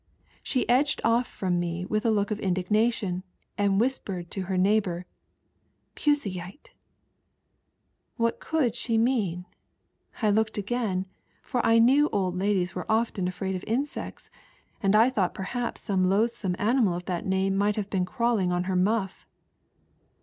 She edged oflf from me with a look of indig nation, and whispered to her neighbour, " Puseyite !" What could she mean ! I looked again, for I knew old ladies were often afraid of insects, and I thonght perhaps some loathsome animal of that name might have been crawling on her muff.